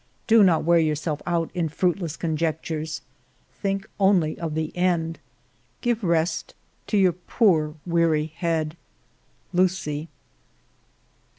Do not wear yourself out in fruitless conjectures. Think only of the end. Give rest to your poor weary head. ... Lucie."